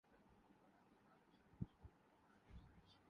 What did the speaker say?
وہ نارمل حیثیت کے ہوں۔